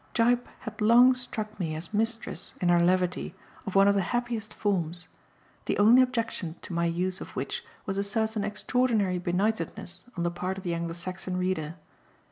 Gyp had long struck me as mistress, in her levity, of one of the happiest of forms the only objection to my use of which was a certain extraordinary benightedness on the part of the Anglo Saxon reader.